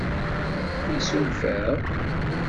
Isuref-am?